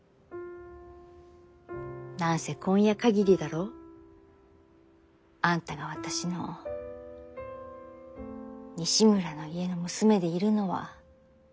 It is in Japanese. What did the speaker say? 何せ今夜限りだろう？あんたが私の西村の家の娘でいるのは。